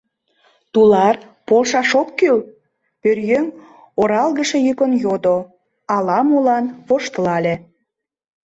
— Тулар, полшаш ок кӱл? — пӧръеҥ оралгыше йӱкын йодо, ала-молан воштылале.